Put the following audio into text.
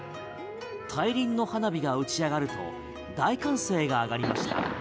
大輪の花火が打ち上がると大歓声が上がりました。